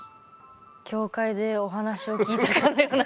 教会でお話を聞いたかのような気持ち。